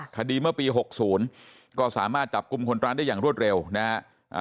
คดีเมื่อปี๖๐ก็สามารถจับกุมคนตรานได้อย่างรวดเร็วนะฮะ